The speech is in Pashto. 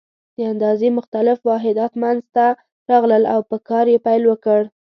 د اندازې مختلف واحدات منځته راغلل او په کار یې پیل وکړ.